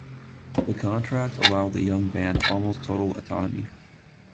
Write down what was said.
The contract allowed the young band almost total autonomy.